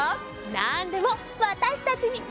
なんでもわたしたちにおまかせ！